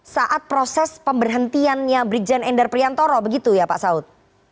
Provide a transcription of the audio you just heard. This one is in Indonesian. saat proses pemberhentiannya brigjen endar priantoro begitu ya pak saud